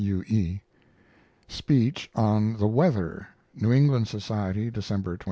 U. E. Speech on "The Weather," New England Society, December 22.